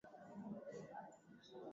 Msichana anacheza.